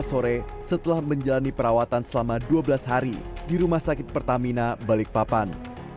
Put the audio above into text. sore setelah menjalani perawatan selama dua belas hari di rumah sakit pertamina balikpapan